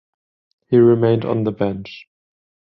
He remained on the bench.